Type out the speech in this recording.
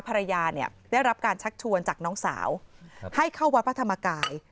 ภรรยาเนี่ยได้รับการชักชวนจากน้องสาวให้เข้าวัดพระธรรมกาย